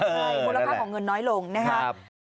ใช่มูลค่าของเงินน้อยลงนะครับ